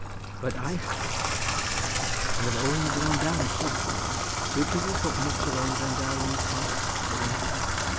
"But I have," said the man; "and of Owain Glendower too." "Do people talk much of Owen Glendower in these parts?" said I.